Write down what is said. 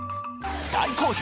大好評！